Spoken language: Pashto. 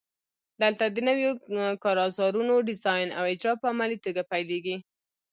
دلته د نویو کارزارونو ډیزاین او اجرا په عملي توګه پیلیږي.